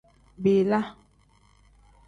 Bila.